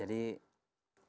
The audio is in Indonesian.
jadi dengan satu tahun